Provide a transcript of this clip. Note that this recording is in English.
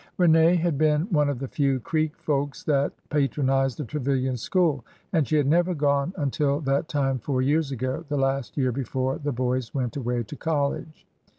Rene had been one of the few creek folks " that pa tronized the Trevilian school, and she had never gone until that time four years ago — the last year before the boys went away to college.